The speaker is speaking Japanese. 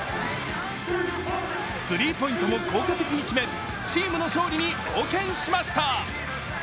スリーポイントも効果的に決めチームの勝利に貢献しました。